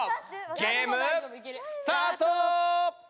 ゲームスタート！